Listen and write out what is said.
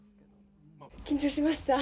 緊張しました。